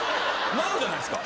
なるじゃないですか。